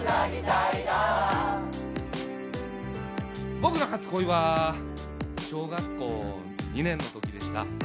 僕の初恋は小学校２年のときでした。